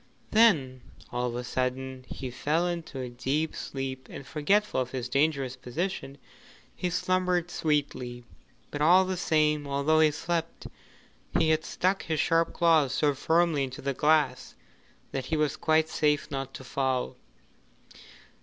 Then all of a sudden he fell into a deep sleep, and forgetful of his dangerous position, he slumbered sweetly. But all the same, although he slept, he had stuck his sharp claws so firmly into the glass that he was quite safe not to fall.